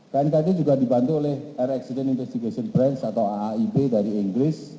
knkt juga dibantu oleh air accident investigation branch atau aib dari inggris